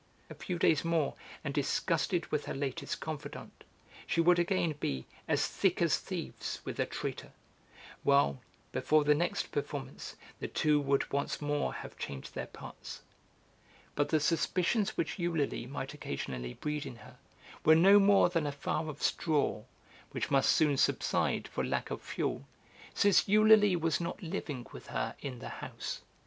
A few days more, and, disgusted with her latest confidant, she would again be 'as thick as thieves' with the traitor, while, before the next performance, the two would once more have changed their parts. But the suspicions which Eulalie might occasionally breed in her were no more than a fire of straw, which must soon subside for lack of fuel, since Eulalie was not living with her in the house.